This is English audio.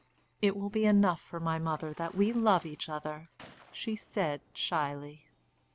"It will be enough for my mother that we love each other," she said shyly.